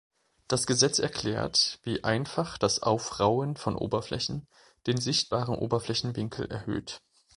Das Gesetz erklärt, wie einfach das Aufrauen von Oberflächen den sichtbaren Oberflächenwinkel erhöht.